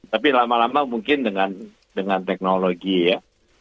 tapi lama lama mungkin dengan teknologi ya